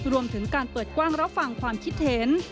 รวมถึงการเปิดกว้างรับฟังความคิดเห็น